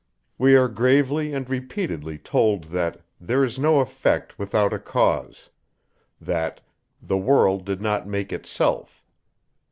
39. We are gravely and repeatedly told, that, there is no effect without a cause; that, the world did not make itself.